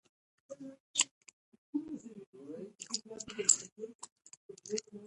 ازادي راډیو د بهرنۍ اړیکې په اړه د فیسبوک تبصرې راټولې کړي.